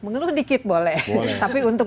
mengeluh dikit boleh tapi untuk